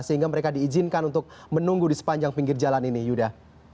sehingga mereka diizinkan untuk menunggu di sepanjang pinggir jalan ini yuda